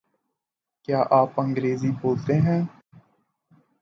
کیا آپ انگریزی بولتے ہیں؟